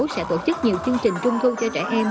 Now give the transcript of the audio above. sẽ tổ chức nhiều chương trình trung thu cho trẻ em